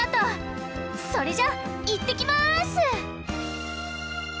それじゃあいってきます！